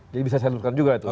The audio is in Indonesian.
jadi bisa saya lakukan juga itu